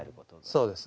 そうですね。